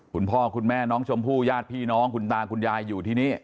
คุณพ่อคุณแม่น้องชมพู่ญาติพี่น้องคุณตาคุณยายอยู่ที่นี่